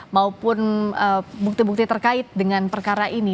maupun bukti bukti terkait dengan perkara ini